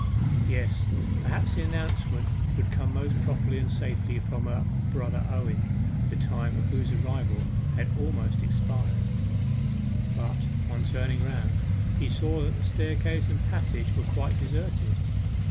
Yes, perhaps the announcement would come most properly and safely for her from her brother Owen, the time of whose arrival had almost expired. But, on turning round, he saw that the staircase and passage were quite deserted.